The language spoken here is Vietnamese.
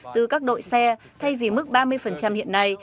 từ các đội xe thay vì mức ba mươi hiện nay